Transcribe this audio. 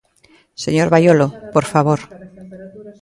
Señor Baiolo, por favor.